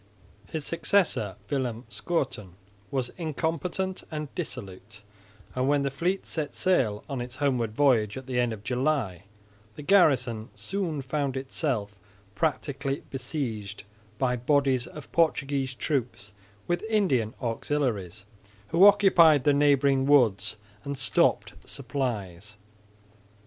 His successor, Willem Schouten, was incompetent and dissolute; and, when the fleet set sail on its homeward voyage at the end of July, the garrison soon found itself practically besieged by bodies of Portuguese troops with Indian auxiliaries, who occupied the neighbouring woods and stopped supplies.